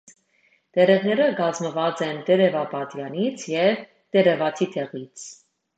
Տերևները կազմված են տերևապատյանից և տերևաթիթեղից։